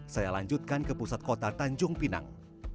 saya lanjutkan ke pusat kota tanjung pinang